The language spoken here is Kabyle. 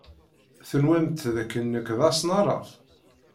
Tenwamt d akken nekk d asnaraf?